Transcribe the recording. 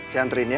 saya anterin ya